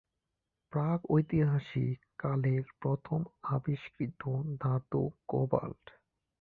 প্রাগৈতিহাসিক কালের প্রথম আবিষ্কৃত ধাতু কোবাল্ট।